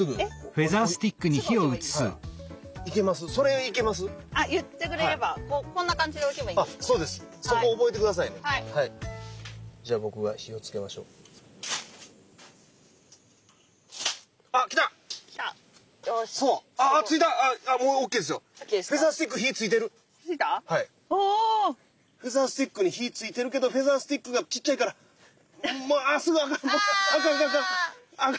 フェザースティックに火ついてるけどフェザースティックがちっちゃいからあっすぐあかんあかん。